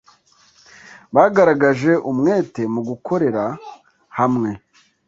bagaragaje umwete mu gukorerera hamwe